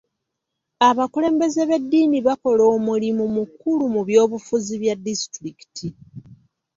Abakulembeze b'eddiini bakola omulimu mukulu mu by'obufuzi bya disitulikiti.